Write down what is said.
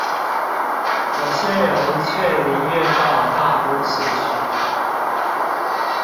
有些人卻寧願到大都市去